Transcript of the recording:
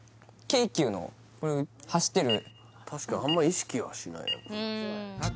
京急の走ってる確かにあんまり意識はしないよな